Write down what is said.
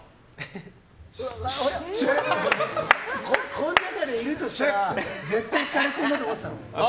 この中でいるとしたら絶対にひかるだと思ってたの。